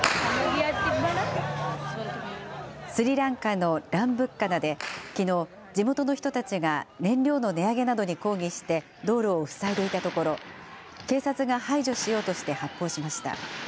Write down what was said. スリランカのランブッカナできのう地元の人たちが燃料の値上げなどに抗議して道路を塞いでいたところ警察が排除しようとして発砲しました。